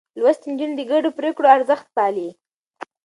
لوستې نجونې د ګډو پرېکړو ارزښت پالي.